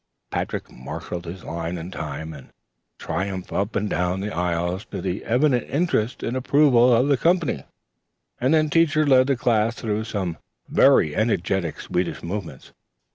Patrick marshaled his line in time and triumph up and down the aisles to the evident interest and approval of the "comp'ny," and then Teacher led the class through some very energetic Swedish movements.